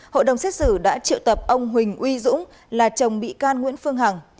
hội đồng xét xử đã triệu tập ông huỳnh uy dũng là chồng bị can nguyễn phương hằng